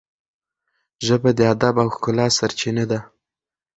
ژبه د ادب او ښکلا سرچینه ده.